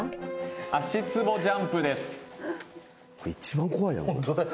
足ツボジャンプです。